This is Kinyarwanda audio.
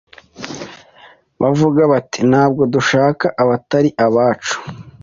bavuga bati ntabwo dushaka abatari abacu